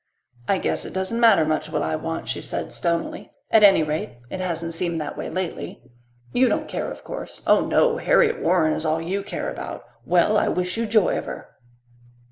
"I guess it doesn't matter much what I want," she said stonily. "At any rate, it hasn't seemed that way lately. You don't care, of course. Oh, no! Harriet Warren is all you care about. Well, I wish you joy of her."